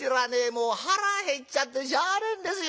もう腹減っちゃってしゃあねえんですよ。